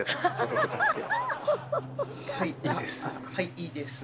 はいいいですはい。